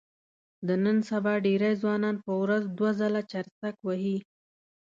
د نن سبا ډېری ځوانان په ورځ دوه ځله چرسک وهي.